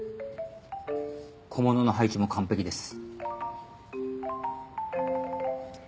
小物の配置も完璧です。